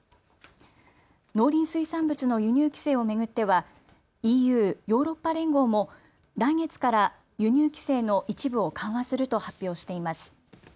農林水産物の輸入規制を巡ってはＥＵ・ヨーロッパ連合も来月から輸入規制の一部を緩和すると発表しています。